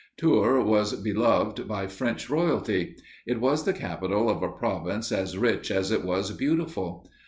Tours was beloved by French royalty. It was the capital of a province as rich as it was beautiful.